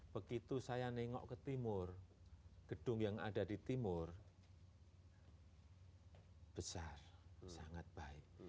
begitu saya nengok ke timur gedung yang ada di timur besar sangat baik